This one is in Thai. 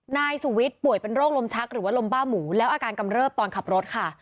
นายสุวิทย์ป่วยเป็นโรคลมชักหรือว่าลมบ้าหมูแล้วอาการกำเริบตอนขับรถค่ะ